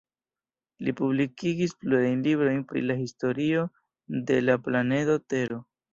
Li publikigis plurajn librojn pri la historio de la planedo Tero.